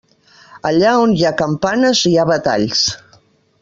Allà on hi ha campanes hi ha batalls.